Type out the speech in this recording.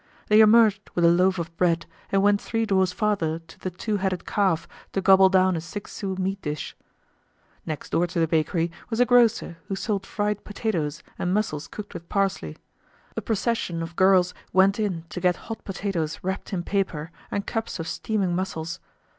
They emerged with a loaf of bread and went three doors farther to the Two Headed Calf to gobble down a six sou meat dish. Next door to the bakery was a grocer who sold fried potatoes and mussels cooked with parsley. A procession of girls went in to get hot potatoes wrapped in paper and cups of steaming mussels.